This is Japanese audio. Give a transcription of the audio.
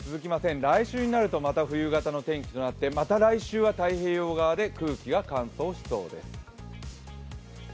来週になるとまた冬型の天気となってまた来週は太平洋側で空気が乾燥しそうです。